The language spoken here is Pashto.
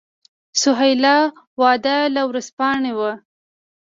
سهیلا وداع له ورځپاڼې وه.